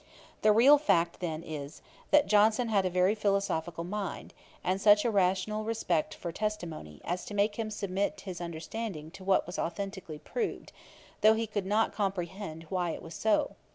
The real fact then is, that Johnson had a very philosophical mind, and such a rational respect for testimony, as to make him submit his understanding to what was authentically proved, though he could not comprehend why it was so.